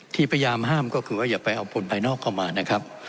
พยายามห้ามก็คือว่าอย่าไปเอาคนภายนอกเข้ามานะครับ